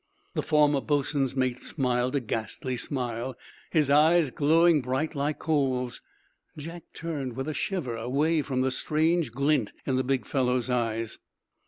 The former boatswain's mate smiled a ghastly smile, his eyes glowing bright like coals. Jack turned, with a shiver, away from the strange glint in the big fellow's eyes.